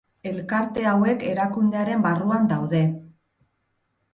Elkarte hauek erakundearen barruan daude.